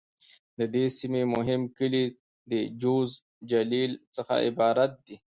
د دې سیمې مهم کلي د: جوز، جلیل..څخه عبارت دي.